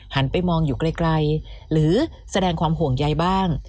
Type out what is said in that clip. ไปมองอยู่ไกลหรือแสดงความห่วงใยบ้าง